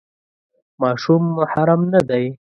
ماشوم محرم نه دی.